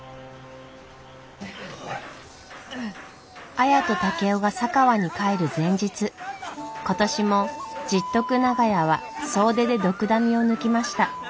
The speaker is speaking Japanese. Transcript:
綾と竹雄が佐川に帰る前日今年も十徳長屋は総出でドクダミを抜きました。